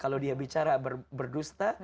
kalau dia bicara berdusta